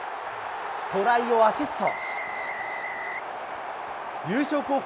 トライをアシスト。